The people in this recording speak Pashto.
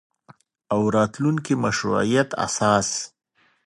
او راتلونکي مشروعیت اساس